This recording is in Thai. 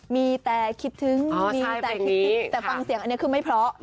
มีแต่คิดถึงมีแต่คิดแต่ฟังเสียงอันนี้คือไม่เพราะ